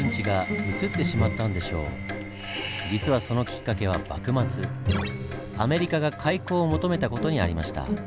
実はそのきっかけは幕末アメリカが開港を求めた事にありました。